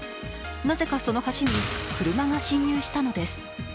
なぜかその橋に車が進入したのです。